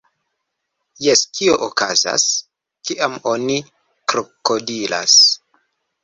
Jen kio okazas, kiam oni krokodilas